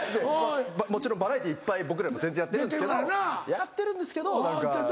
もちろんバラエティーいっぱい僕らよりも全然やってるんですけどやってるんですけど何か。